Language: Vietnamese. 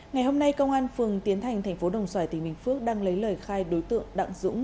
ngày hôm nay công an phường tiến thành thành phố đồng xoài tỉnh bình phước đang lấy lời khai đối tượng đặng dũng